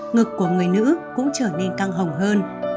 ngực của người nữ cũng trở nên căng hồng hơn